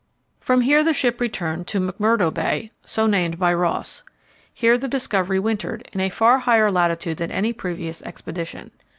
From here the ship returned to McMurdo Bay, so named by Ross. Here the Discovery wintered, in a far higher latitude than any previous expedition.